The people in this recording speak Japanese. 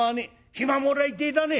暇もらいてえだね」。